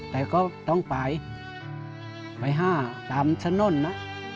แต่ก็ต้องไปไปห้าตามถนนนะ